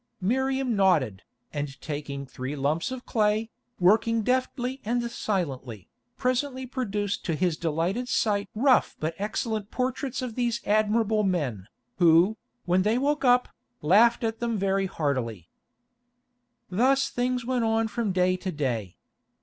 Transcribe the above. Miriam nodded, and taking three lumps of clay, working deftly and silently, presently produced to his delighted sight rough but excellent portraits of these admirable men, who, when they woke up, laughed at them very heartily. Thus things went on from day to day.